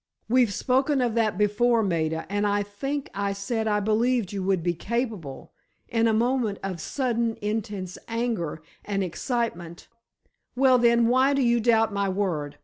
"We've spoken of that before, Maida, and I think I said I believed you would be capable, in a moment of sudden, intense anger and excitement——" "Well, then, why do you doubt my word?